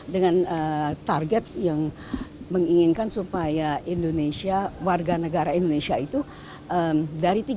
dengan target yang menginginkan supaya warga negara indonesia itu dari tiga puluh enam persen